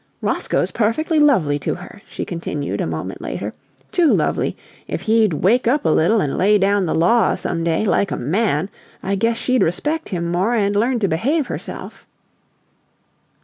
"Roscoe's perfectly lovely to her," she continued, a moment later. "Too lovely! If he'd wake up a little and lay down the law, some day, like a MAN, I guess she'd respect him more and learn to behave herself!"